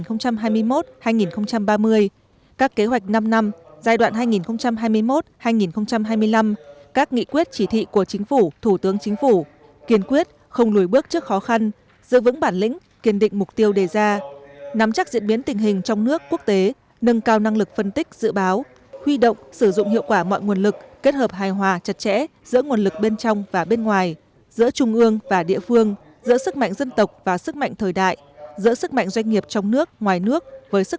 kế hoạch năm năm giai đoạn hai nghìn hai mươi một hai nghìn hai mươi năm các nghị quyết chỉ thị của chính phủ thủ tướng chính phủ kiên quyết không lùi bước trước khó khăn giữ vững bản lĩnh kiên định mục tiêu đề ra nắm chắc diễn biến tình hình trong nước quốc tế nâng cao năng lực phân tích dự báo huy động sử dụng hiệu quả mọi nguồn lực kết hợp hài hòa chặt chẽ giữa nguồn lực bên trong và bên ngoài giữa trung ương và địa phương giữa sức mạnh dân tộc và sức mạnh thời đại giữa sức mạnh doanh nghiệp trong nước ngoài nước với sức